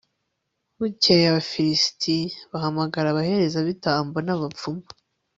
bukeye, abafilisiti bahamagara abaherezabitambo n'abapfumu